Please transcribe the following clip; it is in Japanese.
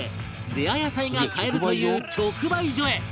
レア野菜が買えるという直売所へ